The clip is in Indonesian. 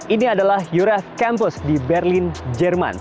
ini adalah jureth campus di berlin jerman